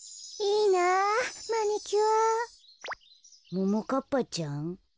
ももかっぱちゃん？